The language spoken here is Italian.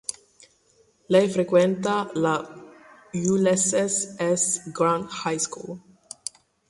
Lei frequenta la Ulysses S. Grant High School.